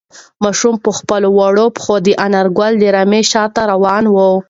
ماشوم په خپلو وړو پښو د انارګل د رمې شاته روان و.